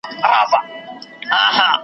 جمهوري غوښتونکي واک ته ورسېږي